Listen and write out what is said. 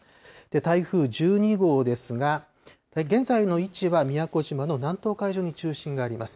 台風１２号ですが、現在の位置は宮古島の南東海上に中心があります。